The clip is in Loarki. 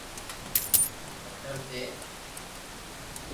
ھوٽل تي